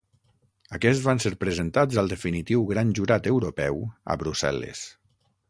Aquests van ser presentats al definitiu Gran Jurat Europeu a Brussel·les.